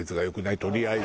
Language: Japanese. とりあえず。